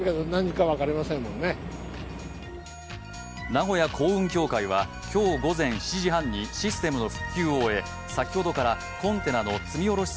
名古屋港運協会は今日午前７時半にシステムの復旧を終え、先ほどからコンテナの積み降ろし